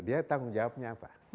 dia tanggung jawabnya apa